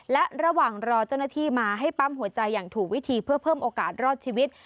และระหว่างรอเจ้าหน้าที่มาให้ปั๊มหัวใจอย่างถูกวิธีเพื่อเพิ่มโอกาสรอดชีวิต